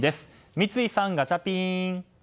三井さん、ガチャピン。